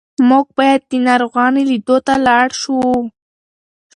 موږ باید د ناروغانو لیدو ته لاړ شو.